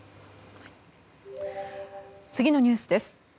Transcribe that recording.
次のニュースです。